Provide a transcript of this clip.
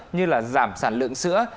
như là giảm sản lượng sữa